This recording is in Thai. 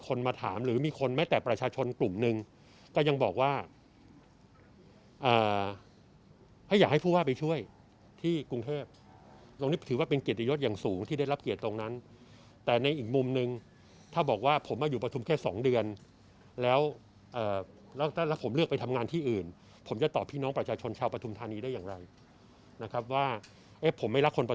มาถามหรือมีคนแม้แต่ประชาชนกลุ่มหนึ่งก็ยังบอกว่าให้อยากให้ผู้ว่าไปช่วยที่กรุงเทพตรงนี้ถือว่าเป็นเกียรติยศอย่างสูงที่ได้รับเกียรติตรงนั้นแต่ในอีกมุมนึงถ้าบอกว่าผมมาอยู่ประทุมแค่สองเดือนแล้วแล้วถ้าแล้วผมเลือกไปทำงานที่อื่นผมจะตอบพี่น้องประชาชนชาวปฐุมธานีได้อย่างไรนะครับว่าเอ๊ะผมไม่รักคนประ